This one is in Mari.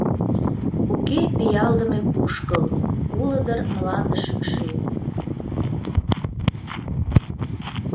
Уке пиалдыме кушкыл, Уло дыр мланде шӱкшӱ.